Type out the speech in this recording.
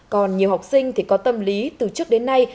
còn nhiều học sinh thì có tâm lý từ trước đến nay